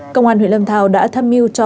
công an huyện lâm thao đã thăm mưu cho